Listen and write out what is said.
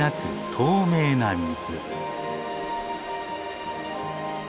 透明な水。